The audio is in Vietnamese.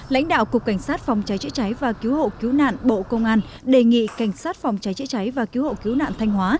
lãnh đạo cục cảnh sát phòng cháy chữa cháy và cứu hộ cứu nạn bộ công an đề nghị cảnh sát phòng cháy chữa cháy và cứu hộ cứu nạn thanh hóa